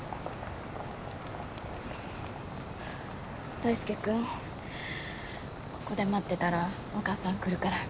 大輔君ここで待ってたらお母さん来るから。